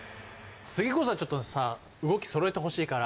次こそはちょっとさ動き揃えてほしいから。